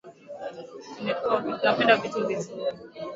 Tunapenda vitu vizuri